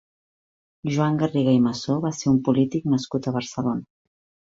Joan Garriga i Massó va ser un polític nascut a Barcelona.